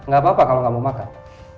gapapa kalau gak mau makan